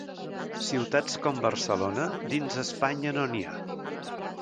Ciutats com Barcelona, dins Espanya no n'hi ha.